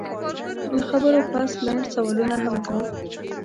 له خبرو پس لنډ سوالونه هم کوو